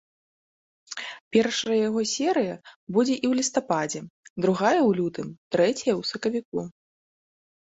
Першая яго серыя будзе і ў лістападзе, другая ў лютым, трэцяя ў сакавіку.